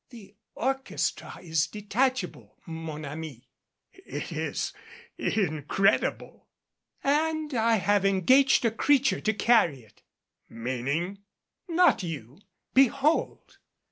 "The orchestra is detachable, mon ami" "It is incredible " "And I have engaged a creature to carry it " "Meaning " "Not you behold."